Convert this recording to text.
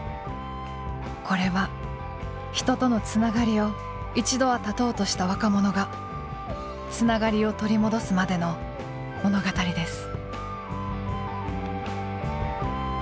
これは人とのつながりを一度は絶とうとした若者がつながりを取り戻すまでの物語です。